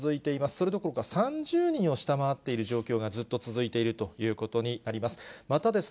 それどころか３０人を下回っている状況が、ずっと続いているということになります。